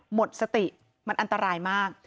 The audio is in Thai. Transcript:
หมดสติมันอันตรายมาก